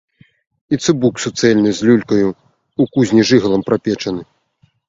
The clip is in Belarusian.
І цыбук суцэльны з люлькаю, у кузні жыгалам прапечаны.